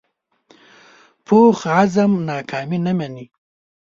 پوخ عزم ناکامي نه مني